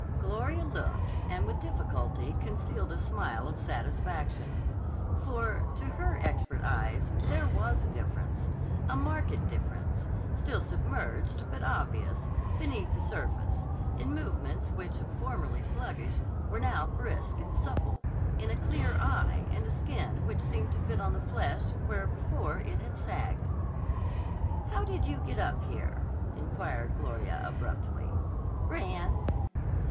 Gloria looked and with difficulty concealed a smile of satisfaction. For, to her expert eyes, there was a difference, a marked difference, still submerged but obvious, beneath the surface, in movements which, formerly sluggish, were now brisk and supple, in a clear eye, and a skin which seemed to fit on the flesh where before it had sagged. "How did you get up here?" inquired Gloria abruptly. "Ran."